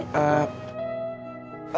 eh eh eh meika